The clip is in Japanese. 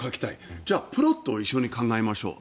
じゃあプロと一緒に考えましょう。